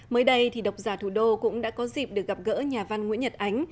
mới đây thì độc giả thủ đô cũng đã có dịp được gặp gỡ nhà văn nguyễn nhật ánh